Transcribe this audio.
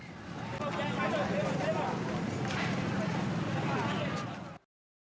ketua dpr setia novanto yang terjerat kasus megakorupsi ktp elektronik